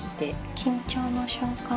緊張の瞬間。